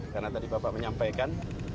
karena tadi bapak menyampaikan